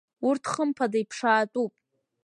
Урҭ хымԥада иԥшаатәуп.